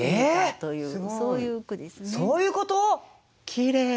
きれい。